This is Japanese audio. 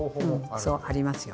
そうありますよ。